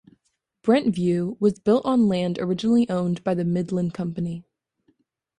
Brent Vue was built on land originally owned by the Midland Company.